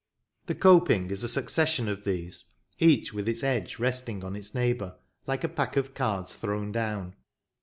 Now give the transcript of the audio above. The coping is a succession of these, each with its edge resting on its neighbour, like a pack of cards thrown down.